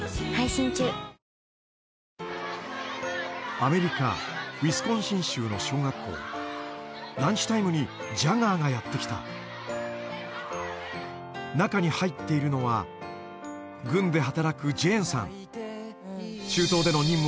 アメリカウィスコンシン州の小学校ランチタイムにジャガーがやってきた中に入っているのは軍で働くジェーンさん